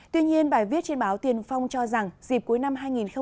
tuy nhiên bài viết trên báo tiền phong cho rằng dịp cuối năm hai nghìn hai mươi